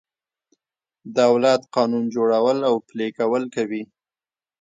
دولت قانون جوړول او پلي کول کوي.